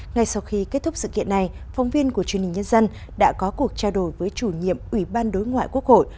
ngay sau khi kết thúc sự kiện này phóng viên của truyền hình nhân dân đã có cuộc trao đổi với chủ nhiệm ủy ban đối ngoại quốc hội